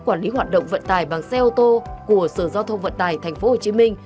quản lý hoạt động vận tài bằng xe ô tô của sở giao thông vận tài tp hcm